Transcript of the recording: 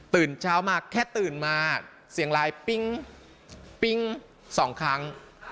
ตื่นเช้ามาแค่ตื่นมาเสียงลายปิ้งสองครั้ง